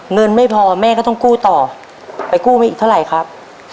เงินไม่พอแม่ก็ต้องกู้ต่อไปกู้มาอีกเท่าไหร่ครับ